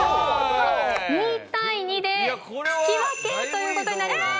２対２で引き分けという事になります。